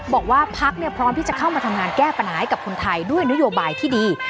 บอกว่าพักพร้อมที่จะเข้ามาทำงานแก้ปัญหาให้กับคนไทยด้วยนโยบายที่ดี